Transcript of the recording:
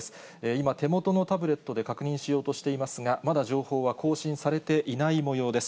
今、手元のタブレットで確認しようとしていますが、まだ情報は更新されていないもようです。